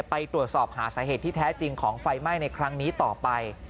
ไปตรวจสอบหาสาเหตุที่แท้จริงของไฟไหม้ในครั้งนี้ต่อไป